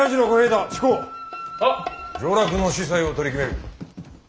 上洛の子細を取り決める。